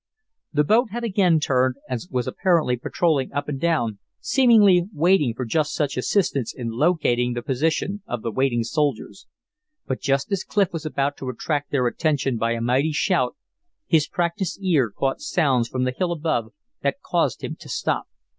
The boat had again turned and was apparently patroling up and down, seemingly waiting for just such assistance in locating the position of the waiting sailors. But just as Clif was about to attract their attention by a mighty shout, his practiced ear caught sounds from the hill above that caused him to stop.